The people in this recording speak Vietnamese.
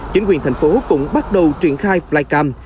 chính quyền thành phố cũng bắt đầu triển khai flycam